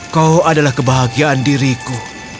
kau adalah kebahagiaan diriku